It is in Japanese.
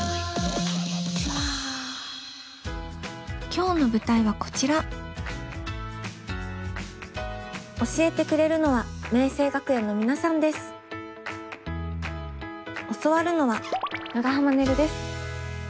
今日の舞台はこちら教えてくれるのは教わるのは長濱ねるです。